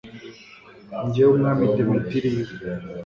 jyewe umwami demetiriyo